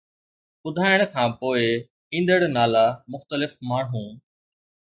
ٻڌائڻ کان پوءِ، ايندڙ نالا مختلف ماڻهو